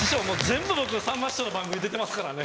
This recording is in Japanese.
全部僕さんま師匠の番組出てますからね。